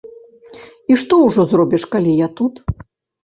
І што ўжо зробіш, калі я тут.